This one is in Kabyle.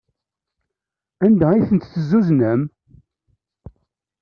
Anda ay ten-tezzuznem?